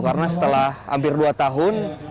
karena setelah hampir dua tahun